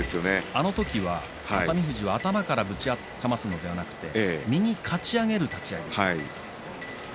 あの時は熱海富士は頭からぶちかますのではなく右かち上げる立ち合いでした。